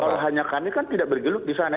kalau hanya kami kan tidak bergelut di sana